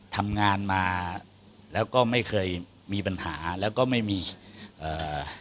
ทำงานมาแล้วก็ไม่เคยมีปัญหาแล้วก็ไม่มีเอ่อ